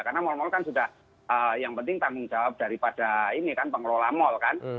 karena mal mal kan sudah yang penting tanggung jawab daripada ini kan pengelola mal kan